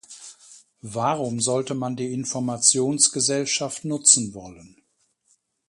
Warum sollte man die Informationsgesellschaft nutzen wollen?